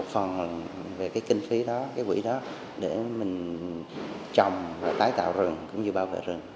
còn về cái kinh phí đó cái quỹ đó để mình trồng và tái tạo rừng cũng như bảo vệ rừng